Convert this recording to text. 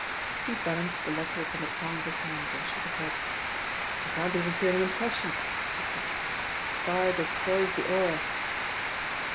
He balanced the letter upon the palm of his hand and shook his head. "I can't even feel an impression," he said. "Fire destroys the aura."